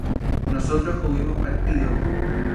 ¿nosotros hubimos partido?